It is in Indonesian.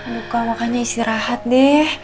gak makanya istirahat deh